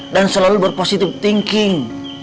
dan selalu berpositif thinking